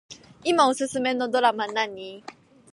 いまおすすめのドラマ何